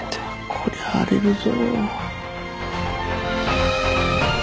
こりゃ荒れるぞ。